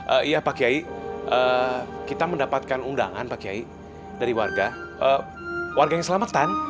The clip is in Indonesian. iya pak kiai kita mendapatkan undangan pak kiai dari warga warga yang selamatan